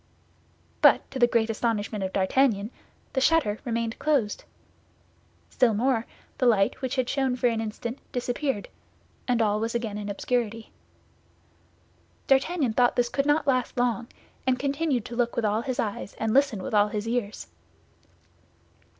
But to the great astonishment of D'Artagnan, the shutter remained closed. Still more, the light which had shone for an instant disappeared, and all was again in obscurity. D'Artagnan thought this could not last long, and continued to look with all his eyes and listen with all his ears.